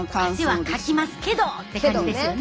「汗はかきますけど」って感じですよね。